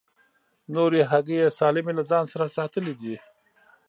نورې هګۍ یې سالمې له ځان سره ساتلې دي.